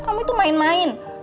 kamu itu main main